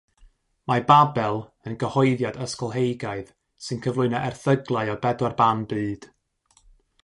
Mae Babel yn gyhoeddiad ysgolheigaidd sy'n cyflwyno erthyglau o bedwar ban byd.